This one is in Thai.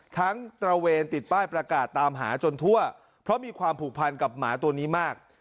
ตระเวนติดป้ายประกาศตามหาจนทั่วเพราะมีความผูกพันกับหมาตัวนี้มาก